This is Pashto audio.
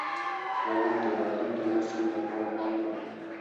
علم د راتلونکي نسل لپاره پانګه ده.